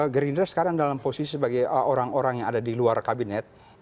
gerindra sekarang dalam posisi sebagai orang orang yang ada di luar kabinet